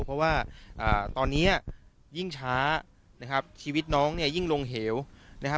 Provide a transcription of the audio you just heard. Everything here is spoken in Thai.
เพราะว่าตอนนี้ยิ่งช้านะครับชีวิตน้องเนี่ยยิ่งลงเหวนะครับ